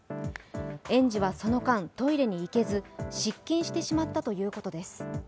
園児はその間、トイレに行けず失禁してしまったということです。